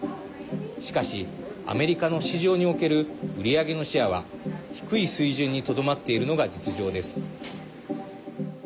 しかし、アメリカの市場における売り上げのシェアは低い水準にとどまっているのが実情です。